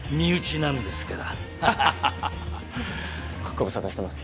ご無沙汰してます。